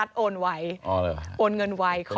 นัดโอนไวล์โอนเงินไวค์